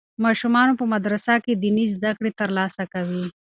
ماشومان په مدرسه کې دیني زده کړې ترلاسه کوي.